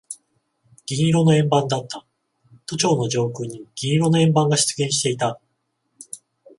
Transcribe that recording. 銀色の円盤だった。都庁の上空に銀色の円盤が出現していた。